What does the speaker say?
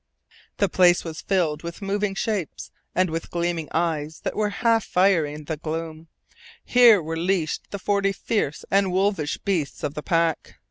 The place was filled with moving shapes and with gleaming eyes that were half fire in the gloom. Here were leashed the forty fierce and wolfish beasts of the pack.